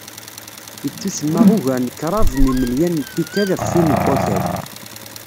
Yettusemma ugar n kraḍ n yimelyan n tikkal ɣef win n Wakal.